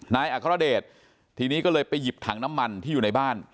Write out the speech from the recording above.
อัครเดชทีนี้ก็เลยไปหยิบถังน้ำมันที่อยู่ในบ้าน